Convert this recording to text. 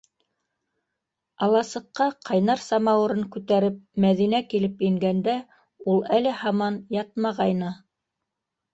Аласыҡҡа ҡайнар самауырын күтәреп Мәҙинә килеп ингәндә ул әле һаман ятмағайны.